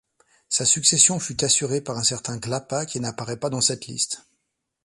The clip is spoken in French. Sa succession fut assurée par un certain Glappa qui n'apparaît pas dans cette liste.